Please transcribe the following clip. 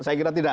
saya kira tidak